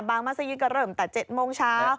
บางพิธีก็เริ่มแต่๗โมงเช้า